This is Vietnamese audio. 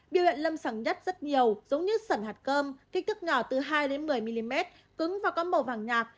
biểu hiện lâm sàng nhất rất nhiều giống như sẩn hạt cơm kích thước nhỏ từ hai một mươi mm cứng và có màu vàng nhạt